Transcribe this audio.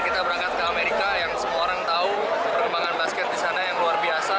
kita berangkat ke amerika yang semua orang tahu perkembangan basket di sana yang luar biasa